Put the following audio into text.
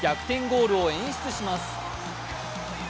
ゴールを演出します。